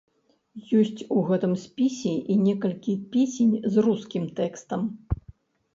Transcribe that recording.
Ёсць у гэтым спісе і некалькі песень з рускім тэкстам.